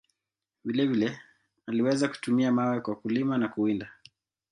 Vile vile, aliweza kutumia mawe kwa kulima na kuwinda.